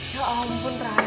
ya ampun raya